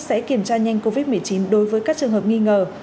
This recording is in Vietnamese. sẽ kiểm tra nhanh covid một mươi chín đối với các trường hợp nghi ngờ